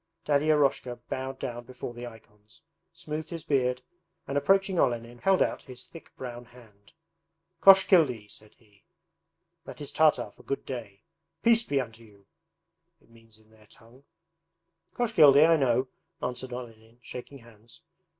Daddy Eroshka bowed down before the icons, smoothed his beard, and approaching Olenin held out his thick brown hand. 'Koshkildy,' said he; That is Tartar for "Good day" "Peace be unto you," it means in their tongue.' 'Koshkildy, I know,' answered Olenin, shaking hands.